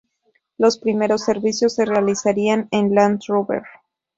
Los primeros servicios se realizarían en Land-Rover.